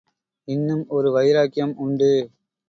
இன்னும் ஒரு வைராக்கியம் உண்டு.